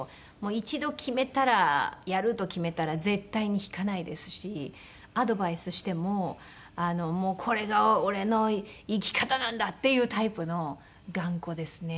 一度決めたらやると決めたら絶対に引かないですし。アドバイスしても「これが俺の生き方なんだ」っていうタイプの頑固ですね。